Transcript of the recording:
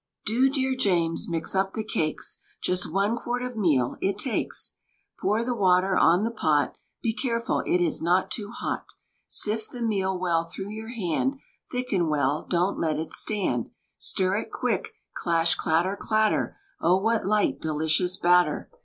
Do, dear James, mix up the cakes: Just one quart of meal it takes; Pour the water on the pot, Be careful it is not too hot; Sift the meal well through your hand, Thicken well don't let it stand; Stir it quick, clash, clatter, clatter! O what light, delicious batter!